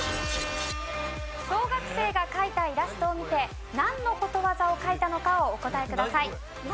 小学生が描いたイラストを見てなんのことわざを描いたのかをお答えください。何？